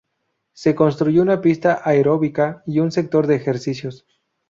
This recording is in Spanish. Se construyó una pista aeróbica y un sector de ejercicios.